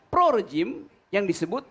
pro rejim yang disebut